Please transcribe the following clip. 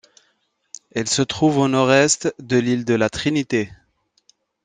Elle se trouve au nord-est de l'île de la Trinité.